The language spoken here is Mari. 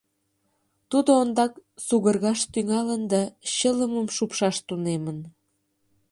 Тудо ондак сугыргаш тӱҥалын да чылымым шупшаш тунемын.